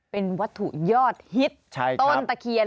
เป็นวัตถุยอดฮิตต้นตะเคียน